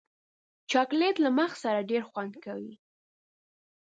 چاکلېټ له مغز سره ډېر خوند کوي.